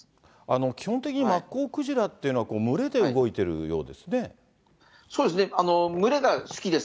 基本的にマッコウクジラっていうのは群れで動いているようでそうですね、群れが好きです。